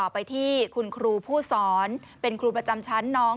ไปที่คุณครูผู้สอนเป็นครูประจำชั้นน้อง